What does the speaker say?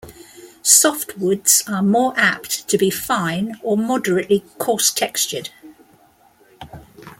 Softwoods are more apt to be fine or moderately coarse-textured.